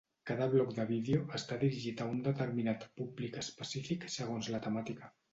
Cada blog de vídeo està dirigit a un determinat públic específic segons la temàtica.